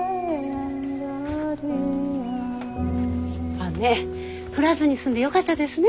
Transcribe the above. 雨降らずに済んでよかったですね。